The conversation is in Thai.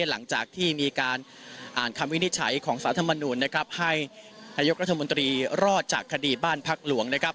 หลังจากที่มีการอ่านคำวินิจฉัยของสารธรรมนูลนะครับให้นายกรัฐมนตรีรอดจากคดีบ้านพักหลวงนะครับ